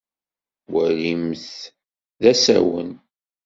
Walimt d asawen.